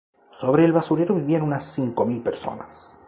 Sobre el basurero vivían unas cinco mil personas.